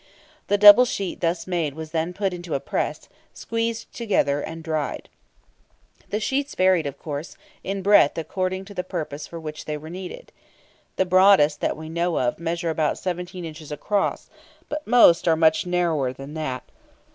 The double sheet thus made was then put into a press, squeezed together, and dried. The sheets varied, of course, in breadth according to the purpose for which they were needed. The broadest that we know of measure about 17 inches across, but most are much narrower than that.